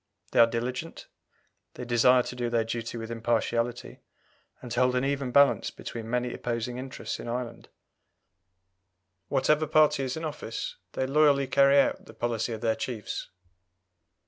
They are diligent; they desire to do their duty with impartiality, and to hold an even balance between many opposing interests in Ireland. Whatever party is in office, they loyally carry out the policy of their chiefs.